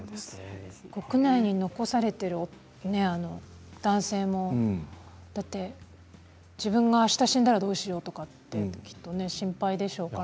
国内に残されている男性も自分が、あした死んだらどうしようかときっと心配でしょうし。